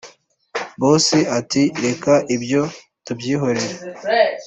boss ati”reka ibyo tubyihorere